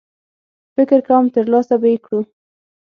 فکر کوم ترلاسه به یې کړو.